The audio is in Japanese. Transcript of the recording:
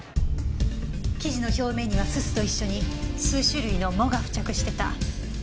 生地の表面には煤と一緒に数種類の藻が付着してた。